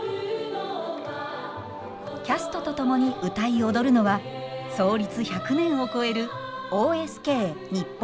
キャストと共に歌い踊るのは創立１００年を超えるＯＳＫ日本歌劇団。